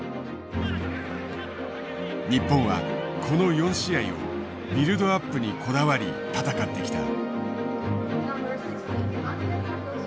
日本はこの４試合をビルドアップにこだわり戦ってきた。